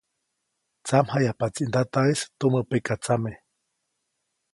Tsamjayajpaʼtsi ndataʼis tumä pekatsame.